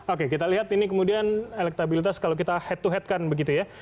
oke kita lihat ini kemudian elektabilitas kalau kita head to head kan begitu ya